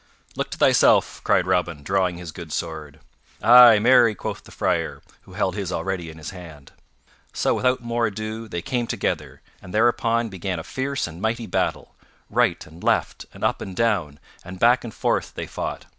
"Look to thyself," cried Robin, drawing his good sword. "Ay, marry," quoth the Friar, who held his already in his hand. So, without more ado, they came together, and thereupon began a fierce and mighty battle. Right and left, and up and down and back and forth they fought.